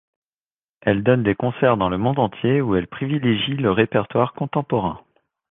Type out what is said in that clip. Elle donne des concerts dans le monde entier où elle privilégie le répertoire contemporain.